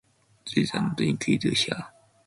These are not included here.